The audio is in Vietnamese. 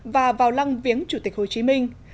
và vào lăng viếng chủ tịch hồ chí minh